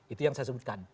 itu yang saya sebutkan